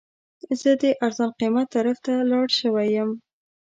زه د ارزان قیمت طرف ته لاړ شوی یم.